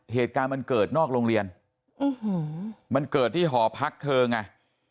เหตุการณ์มันเกิดนอกโรงเรียนมันเกิดที่หอพักเธอไง